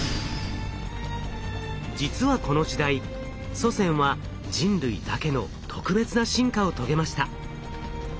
実はこの時代祖先は人類だけの特別な進化を遂げました。